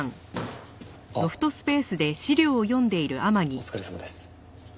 お疲れさまです。